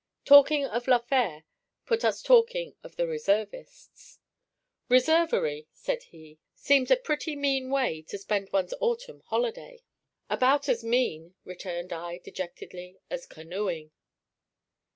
Talking of La Fère put us talking of the reservists. 'Reservery,' said he, 'seems a pretty mean way to spend ones autumn holiday.' 'About as mean,' returned I dejectedly, 'as canoeing.